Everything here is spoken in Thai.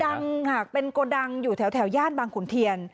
กดังหากเป็นกดังอยู่แถวญาติบังขุนเทียน